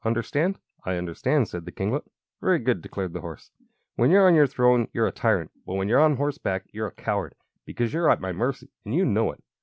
Understand?" "I understand," said the kinglet. "Very good!" declared the horse. "When you're on your throne you're a tyrant; but when you're on horseback you're a coward, because you're at my mercy, and you know it.